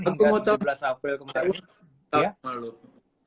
tiga belas april kemarin